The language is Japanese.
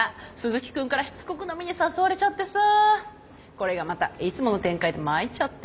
これがまたいつもの展開でまいっちゃって。